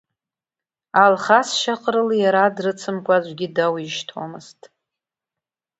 Алхас Шьаҟрыл иара дрыцымкәа аӡәгьы дауишьҭуамызт.